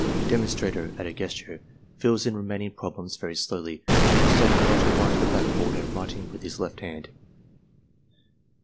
Demonstrator, at a gesture, fills in remaining problems very slowly, standing well to the right of the blackboard and writing with his left hand.